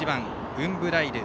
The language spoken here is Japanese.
ウンブライル。